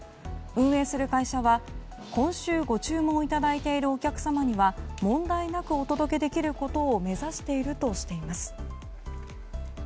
運営する会社は今週ご注文いただいているお客様には問題なくお届けできることを目指しているとしています。